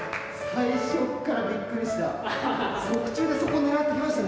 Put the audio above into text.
最初からびっくりした。